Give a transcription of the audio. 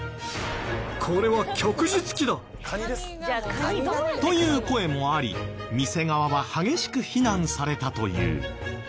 これは旭日旗だ！という声もあり店側は激しく非難されたという。